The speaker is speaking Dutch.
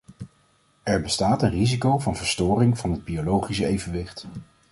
Er bestaat een risico van verstoring van het biologische evenwicht.